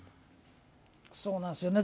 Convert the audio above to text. そうなんですよね。